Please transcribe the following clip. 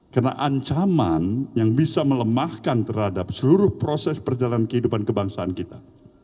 karena ancaman yang bisa melemahkan terhadap seluruh proses perjalanan kehidupan kebangsaan kita